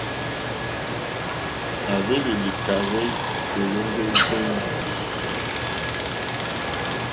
À hwélì lìkàrzɛ́ jɔǃ́ɔ́ŋɡɔ́ jóndì.